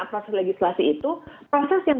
proses legislasi itu proses yang